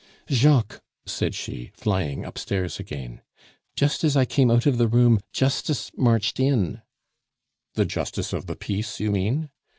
"Jacques," said she, flying upstairs again, "just as I came out of the room justice marched in " "The justice of the peace you mean?"